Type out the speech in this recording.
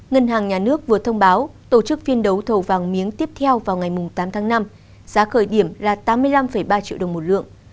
ngân hàng nhà nước vừa thông báo tổ chức phiên đấu thầu vàng miếng tiếp theo vào ngày tám tháng năm giá khởi điểm là tám mươi năm ba triệu đồng một lượng